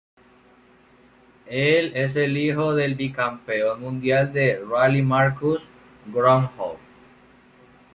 Él es el hijo del bicampeón mundial de rally Marcus Grönholm.